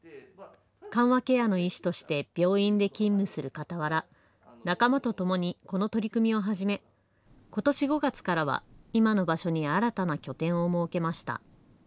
緩和ケアの医師として病院で勤務するかたわら、仲間とともにこの取り組みを始めことし５月からは今の場所に新たな拠点を設けました。